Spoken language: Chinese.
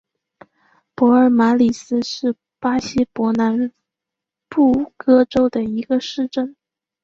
帕尔马里斯是巴西伯南布哥州的一个市镇。